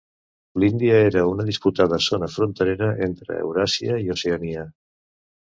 L'Índia era una disputada zona fronterera entre Euràsia i Oceania.